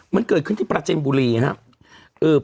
มันเกิดขึ้นที่ปราเจมส์บูรีนะครับ